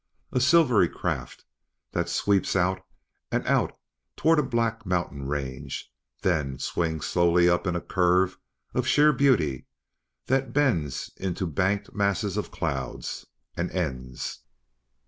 a silvery craft that sweeps out and out toward a black mountain range; then swings slowly up in a curve of sheer beauty that bends into banked masses of clouds and ends.